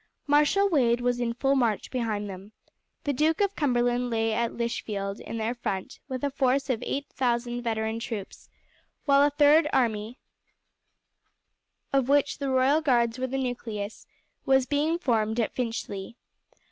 Marshal Wade was in full march behind them. The Duke of Cumberland lay at Lichfield in their front with a force of eight thousand veteran troops; while a third army, of which the Royal Guards were the nucleus, was being formed at Finchley.